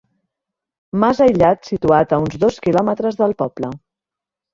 Mas aïllat situat a uns dos quilòmetres del poble.